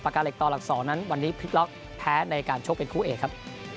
กาเหล็กต่อหลัก๒นั้นวันนี้พลิกล็อกแพ้ในการชกเป็นคู่เอกครับ